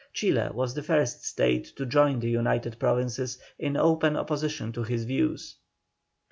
Chile was the first state to join the United Provinces in open opposition to his views.